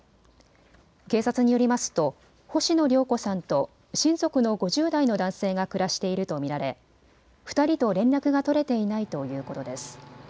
警察によりますと星野良子さんと親族の５０代の男性が暮らしていると見られ、２人と連絡が取れていないということです。